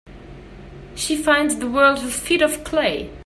She finds the world has feet of clay.